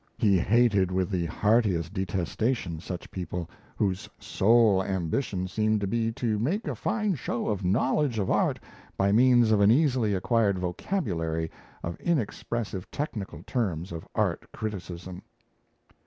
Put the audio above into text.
He hated with the heartiest detestation such people whose sole ambition seemed to be to make a fine show of knowledge of art by means of an easily acquired vocabulary of inexpressive technical terms of art criticism.